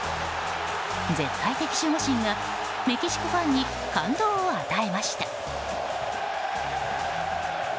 絶対的守護神がメキシコファンに感動を与えました。